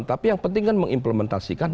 tapi yang penting kan mengimplementasikan